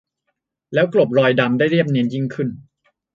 และกลบรอยดำได้เรียบเนียนยิ่งขึ้น